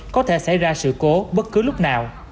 có thể xảy ra sự cố bất cứ lúc nào